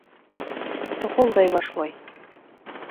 Соҡолдай башлай.